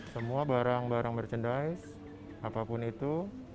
semua barang barang merchandise apapun itu